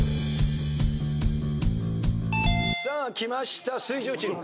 さあきました水１０チーム。